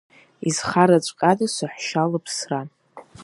Изхараҵәҟьада саҳәшьа лыԥсра?